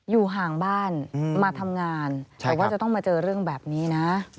อยู่ห่างบ้านมาทำงานแต่ว่าจะต้องมาเจอเรื่องแบบนี้นะ